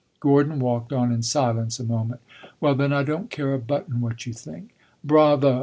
Gordon walked on in silence a moment. "Well, then, I don't care a button what you think!" "Bravo!